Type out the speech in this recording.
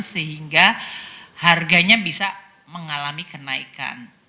sehingga harganya bisa mengalami kenaikan